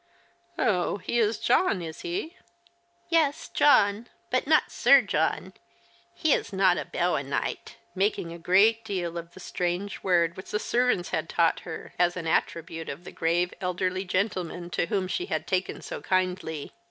'• Oh, he is John, is he ?"" Yes, John — but not Sir John. He is not a bawonight," making a great deal of the strange word which the servants had taught her, as an attribute of the grave elderly gentleman to whom she had taken so kindly.